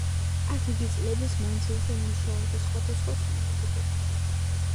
აქ იგი წლების მანძილზე მუშაობდა სხვადასხვა თანამდებობაზე.